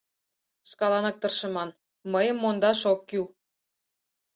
Шкаланак тыршыман, мыйым мондаш ок кӱл.